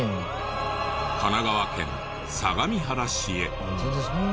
神奈川県相模原市へ。